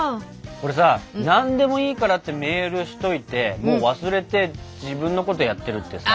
これさ「何でもいいから」ってメールしといてもう忘れて自分のことやってるってさ。